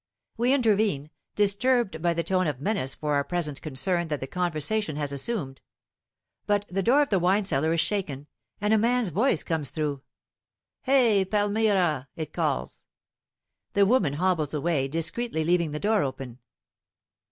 We intervene, disturbed by the tone of menace for our present concern that the conversation has assumed. But the door of the wine cellar is shaken, and a man's voice comes through. "Hey, Palmyra!" it calls. The woman hobbles away, discreetly leaving the door open.